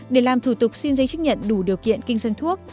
để làm thủ tục xin giấy chứng nhận đủ điều kiện kinh doanh thuốc